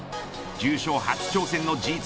重賞初挑戦のＧ２